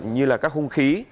như là các hung khí